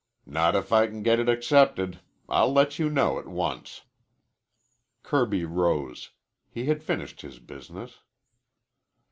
"Not if I can get it accepted. I'll let you know at once." Kirby rose. He had finished his business.